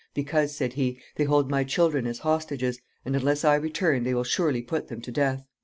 "Because," said he, "they hold my children as hostages, and unless I return they will surely put them to death."